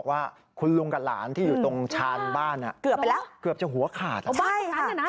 บ้านตรงนั้นอย่างนั้นใช่ไหมค่ะใช่